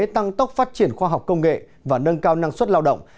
tăng tốc phát triển khoa học công nghệ và nâng cao năng suất lao động